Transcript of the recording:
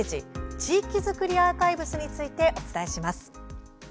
「地域づくりアーカイブス」についてお伝えします。